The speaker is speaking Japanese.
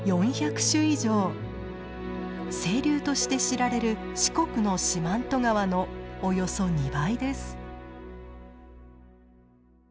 清流として知られる四国の四万十川のおよそ２倍です。